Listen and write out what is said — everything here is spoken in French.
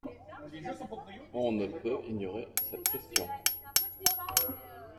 On ne peut ignorer cette question.